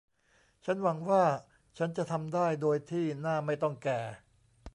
ฉันหวังว่าฉันจะทำได้โดยที่หน้าไม่ต้องแก่